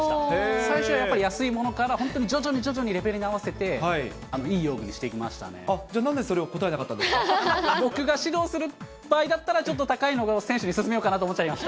最初はやっぱり安いものから、本当に徐々に徐々にレベルに合わせて、じゃあ、なんでそれを答えな僕が指導する場合だったら、ちょっと高いのを選手に薦めようかなと思っちゃいました。